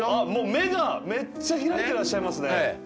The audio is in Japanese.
目がめっちゃ開いてらっしゃいますね。